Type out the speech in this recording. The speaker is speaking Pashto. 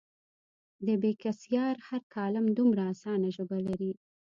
د بېکسیار هر کالم دومره اسانه ژبه لري.